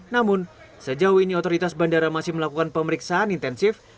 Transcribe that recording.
namun sejauh ini otoritas bandara masih melakukan pemeriksaan intensif